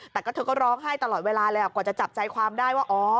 แต่ก็เธอก็ร้องไห้ตลอดเวลาเลยกว่าจะจับใจความได้ว่า